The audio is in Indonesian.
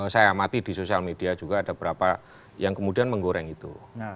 saya amati di sosial media juga ada beberapa yang kemudian menggoreng itu